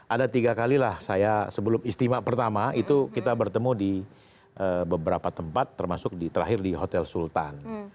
ada tiga kalilah saya sebelum istimewa pertama itu kita bertemu di beberapa tempat termasuk terakhir di hotel sultan